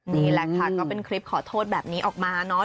นี่แหละค่ะก็เป็นคลิปขอโทษแบบนี้ออกมาเนาะ